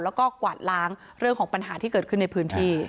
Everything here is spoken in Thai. แล้วก็กวาดล้างเรื่องของปัญหาที่เกิดขึ้นในพื้นที่